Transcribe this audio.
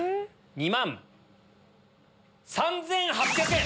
２万３８００円！